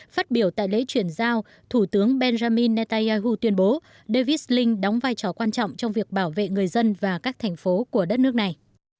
phát biểu tại lễ chuyển giao thủ tướng benjamin netanyahu tuyên bố davidlink đóng vai trò quan trọng trong việc bảo vệ người dân và các thành phố của đất nước này